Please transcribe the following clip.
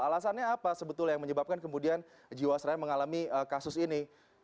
alasannya apa sebetulnya yang menyebabkan kemudian jiwasraya mengalami kasus ini